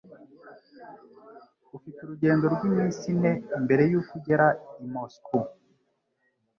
Ufite urugendo rw'iminsi ine mbere yuko ugera i Moscou